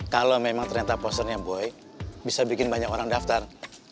kalau memang ternyata posternya boy bisa bikin banyak orang daftar